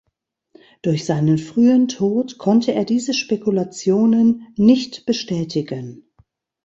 Durch seinen frühen Tod konnte er diese Spekulationen nicht bestätigen.